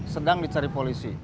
sedang dicari polisi